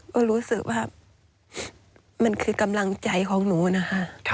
ก็รู้สึกว่ามันคือกำลังใจของหนูนะคะ